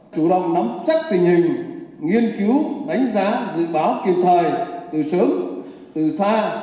chủ động nắm chắc tình hình nghiên cứu đánh giá dự báo kịp thời từ sớm từ xa